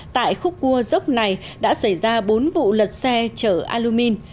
tại khúc cua dốc này đã xảy ra bốn vụ lật xe chở alumin